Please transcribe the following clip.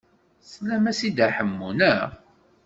Teslam-as i Dda Ḥemmu, naɣ?